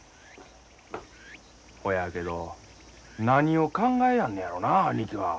ほやけど何を考えやんのやろな兄貴は。